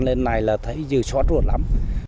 lên này là thấy dư chót ruột lắm